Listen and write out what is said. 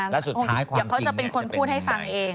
แล้วสุดท้ายความจริงจะเป็นยังไง